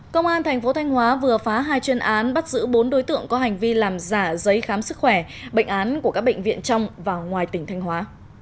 công an thành phố thanh hóa vừa phá hai chuyên án bắt giữ bốn đối tượng có hành vi làm giả giấy khám sức khỏe bệnh án của các bệnh viện trong và ngoài tỉnh thanh hóa